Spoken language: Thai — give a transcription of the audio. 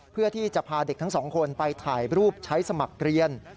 เพื่อที่จะพาเด็กทั้งสองคนไปถ่ายรูปใช้สมัครเรียน